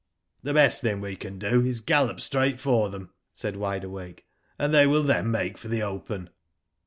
*'The best thing we can do is to gallop straight for them," said Wide Awake, ''and they will then make for the open."